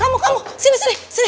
hah kamu sini sini sini